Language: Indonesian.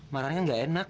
marahannya nggak enak